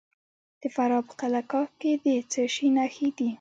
د فراه په قلعه کاه کې د څه شي نښې دي؟